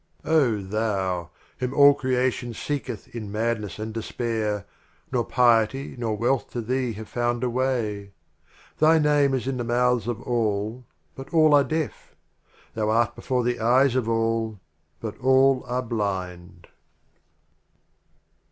XXXIV. Oh, Thou, Whom All Creation seeketh in Madness and Despair, Nor Piety nor Wealth to thee have found a Way. Thy Name is in the Mouths of All, but All are Deaf. Thou art before the Eyes of All, but All are Blind.